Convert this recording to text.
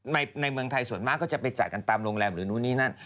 ในเมืองไทยส่วนมากจะไปจัดกันตามโรงแรมลูกธนิดนี้นั่น